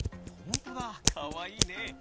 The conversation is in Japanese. ほんとだかわいいね！